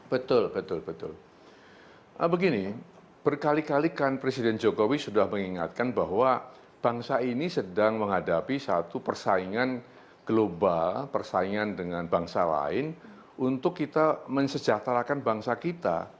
betul betul begini berkali kalikan presiden jokowi sudah mengingatkan bahwa bangsa ini sedang menghadapi satu persaingan global persaingan dengan bangsa lain untuk kita mensejahterakan bangsa kita